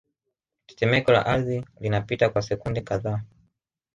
Tetemeko la ardhi linapita kwa sekunde kadhaa